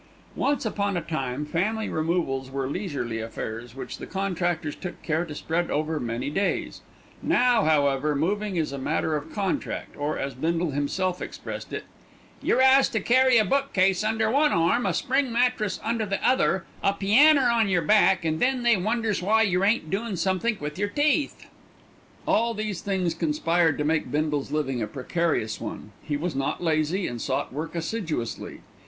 Once upon a time family removals were leisurely affairs, which the contractors took care to spread over many days; now, however, moving is a matter of contract, or, as Bindle himself expressed it, "Yer 'as to carry a bookcase under one arm, a spring mattress under the other, a pianner on yer back, and then they wonders why yer ain't doin' somethink wi' yer teeth." All these things conspired to make Bindle's living a precarious one. He was not lazy, and sought work assiduously.